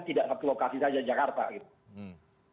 tidak satu lokasi saja jakarta gitu